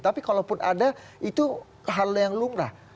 tapi kalaupun ada itu hal yang lumrah